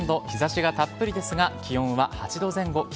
日差しがたっぷりですが気温は８度前後。